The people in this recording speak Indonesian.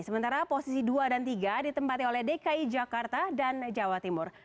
sementara posisi dua dan tiga ditempati oleh dki jakarta dan jawa timur